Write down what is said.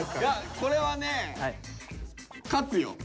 これはね勝つよ。